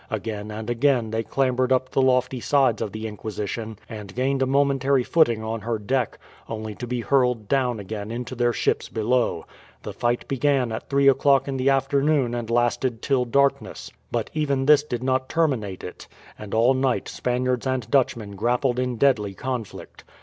Again and again they clambered up the lofty sides of the Inquisition and gained a momentary footing on her deck, only to be hurled down again into their ships below. The fight began at three o'clock in the afternoon and lasted till darkness. But even this did not terminate it; and all night Spaniards and Dutchmen grappled in deadly conflict.